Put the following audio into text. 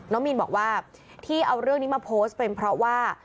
มีนบอกว่าที่เอาเรื่องนี้มาโพสต์เป็นเพราะว่า